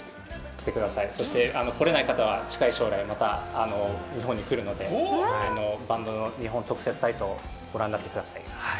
これない方は近い将来また日本に来るので、バンドの日本特設サイトをご覧になってください。